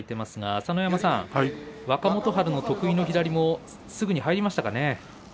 佐ノ山さん、若元春の得意の左すぐに入りましたね。